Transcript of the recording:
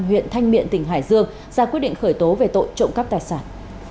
huyện thanh miện tỉnh hải dương ra quyết định khởi tố về tội trộm cắp tài sản